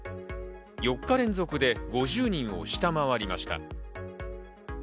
４日連続で５０人を下回りました。